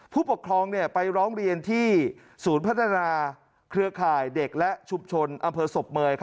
ผู้ปกครองไปร้องเรียนที่ศูนย์พัฒนาเครือข่ายเด็กและชุมชนอำเภอศพเมย